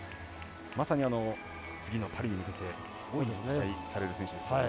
まさに次のパリに向けて大いに期待される選手ですよね。